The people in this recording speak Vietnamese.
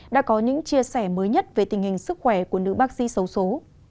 đã có những chia sẻ mới nhất về tình hình sức khỏe của nữ bác sĩ xấu xố